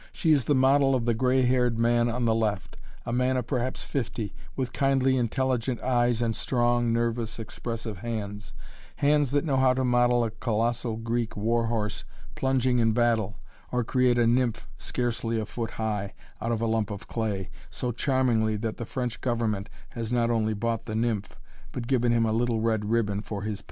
She is the model of the gray haired man on the left, a man of perhaps fifty, with kindly intelligent eyes and strong, nervous, expressive hands hands that know how to model a colossal Greek war horse, plunging in battle, or create a nymph scarcely a foot high out of a lump of clay, so charmingly that the French Government has not only bought the nymph, but given him a little red ribbon for his pains.